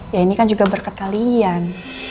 ya ini kan juga berkat kalian